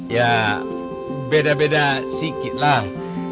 ya beda beda sikitlah